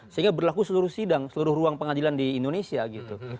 sehingga berlaku seluruh sidang seluruh ruang pengadilan di indonesia gitu